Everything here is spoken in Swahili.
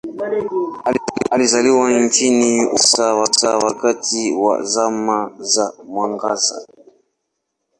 Alizaliwa nchini Ufaransa wakati wa Zama za Mwangaza.